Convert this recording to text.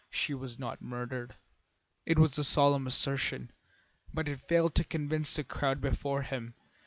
She was not murdered." It was a solemn assertion, but it failed to convince the crowd before him.